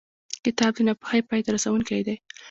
کتاب د ناپوهۍ پای ته رسوونکی دی.